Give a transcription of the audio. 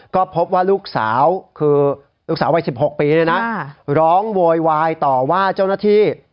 ก็พบว่าลูกสาวคือลูกสาววัย๑๖ปีร้องโวยวายต่อว่าเจ้าหน้าที่